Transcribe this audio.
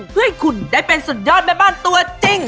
เพื่อให้คุณได้เป็นสุดยอดแม่บ้านตัวจริง